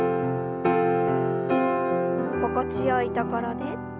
心地よいところで。